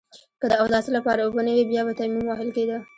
که د اوداسه لپاره اوبه نه وي بيا به تيمم وهل کېده.